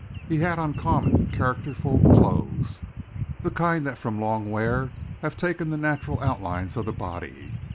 He had on common, characterful clothes, the kind that from long wear have taken the natural outlines of the body.